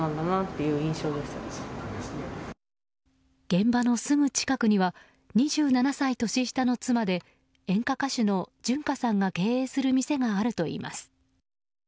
現場のすぐ近くには２７歳年下の妻で演歌歌手の純歌さんが経営する店があるといいます。